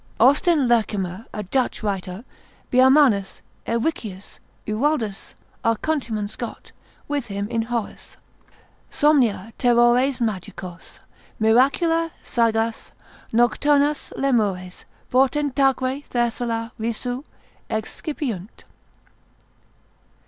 Austin Lerchemer a Dutch writer, Biarmanus, Ewichius, Euwaldus, our countryman Scot; with him in Horace, Somnia, terrores Magicos, miracula, sagas, Nocturnos Lemures, portentaque Thessala risu Excipiunt.